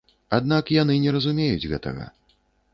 Аднак яны не разумеюць гэтага.